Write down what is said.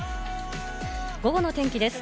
午後の天気です。